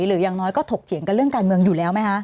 อย่างน้อยก็ถกเถียงกันเรื่องการเมืองอยู่แล้วไหมคะ